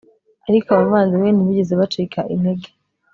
ariko abavandimwe ntibigeze bacika intege